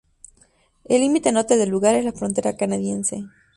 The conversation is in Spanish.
El límite norte del lugar es la frontera canadiense.